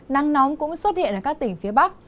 nắng nóng cũng xuất hiện ở các tỉnh phía bắc